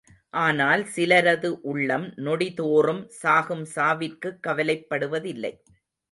ஆனால் சிலரது உள்ளம் நொடிதோறும் சாகும் சாவிற்குக் கவலைப் படுவதில்லை.